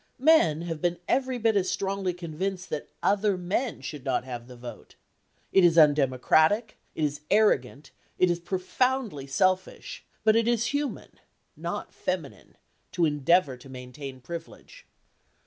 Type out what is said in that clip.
_ Men have been every bit as strongly convinced that other men should not have the vote. It is undemocratic, it is arrogant, it is profoundly selfish, but it is human, not feminine, to endeavour to maintain privilege.